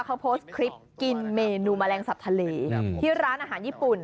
เขาโพสต์คลิปกินเมนูแมลงสับทะเลที่ร้านอาหารญี่ปุ่น